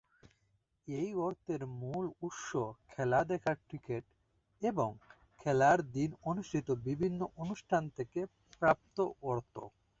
এই অর্থের মূল উৎস খেলা দেখার টিকেট এবং খেলার দিন অনুষ্ঠিত বিভিন্ন অনুষ্ঠান থেকে প্রাপ্ত অর্থ।